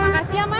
makasih ya mas